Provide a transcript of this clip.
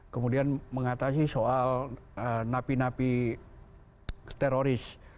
kemudian mengatasi soal napi napi teroris